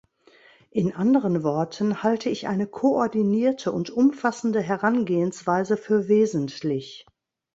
In anderen Worten halte ich eine koordinierte und umfassende Herangehensweise für wesentlich.